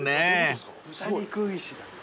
豚肉石だって。